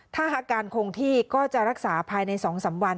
ถ้าอาการคงที่ก็จะรักษาภายใน๒๓วัน